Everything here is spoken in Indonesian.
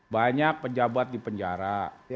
banyak pejabat di penjara